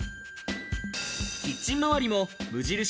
キッチン周りも無印